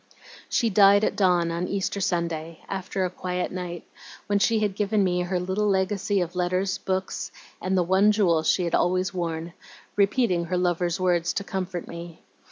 "She died at dawn on Easter Sunday, after a quiet night, when she had given me her little legacy of letters, books, and the one jewel she had always worn, repeating her lover's words to comfort me.